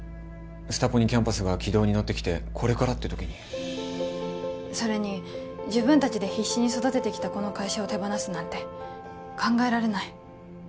スタポニキャンパスが軌道に乗ってきてこれからって時にそれに自分達で必死に育ててきたこの会社を手放すなんて考えられない